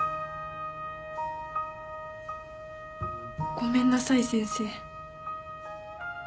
ごめんなさい先生。